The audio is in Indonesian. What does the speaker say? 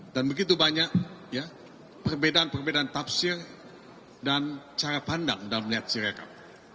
dan begitu banyak perbedaan perbedaan tafsir dan cara pandang dalam melihat sirekap